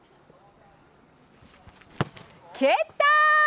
蹴った！